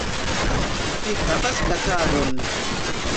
Vi havas kataron.